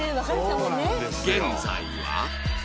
現在は